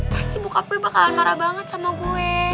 pasti buka gue bakalan marah banget sama gue